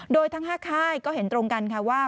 โดยทั้ง๕ค่ายก็เห็นตรงกันค่ะว่า